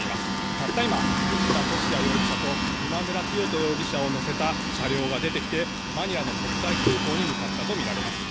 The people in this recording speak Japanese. たった今、藤田聖也容疑者と今村磨人容疑者を乗せた車両が出てきて、マニラの国際空港に向かったと見られます。